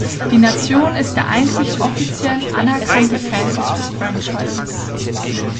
Die Nation ist der einzig offiziell anerkannte Fanklub des Franchises.